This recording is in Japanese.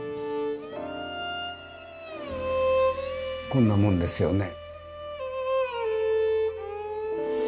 こんなもんですよね。